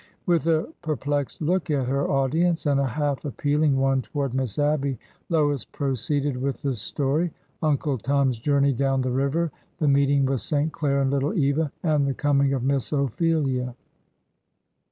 With a perplexed look at her audience and a half appealing one toward Miss Abby, Lois proceeded with the story — Uncle Tom's journey down the river, the meeting with St. Clair and little Eva, and the coming of Miss Ophelia.